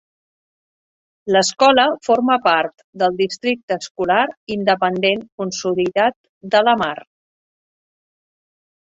L'escola forma part del districte escolar independent consolidat de Lamar.